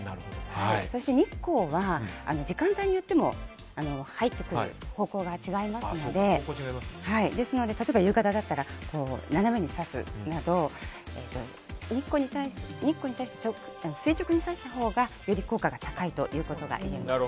そして日光は時間帯によっても入ってくる方向が違いますのでですので、例えば夕方だったら斜めにさすなど日光に対して垂直にさしたほうがより効果が高いといえます。